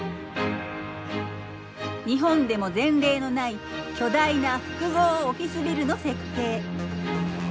日本でも前例のない巨大な複合オフィスビルの設計。